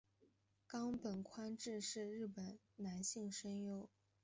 冈本宽志是日本男性声优。